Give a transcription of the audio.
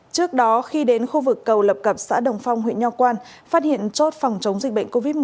trước đó khi đến khu vực cầu lập cập xã đồng phong huyện nho quan phát hiện chốt phòng chống dịch bệnh covid một mươi chín